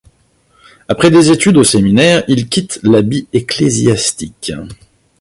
Après des études au séminaire, il quitte l'habit ecclésiastique.